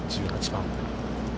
１８番。